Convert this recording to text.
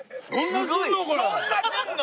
そんなするの！？